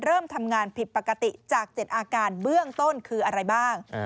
เริ่มทำงานผิดปกติจาก๗อาการเบื้องต้นคืออะไรบ้าง